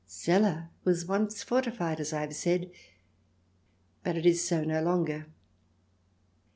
Celle was once fortified, as I have said, but it is so no longer.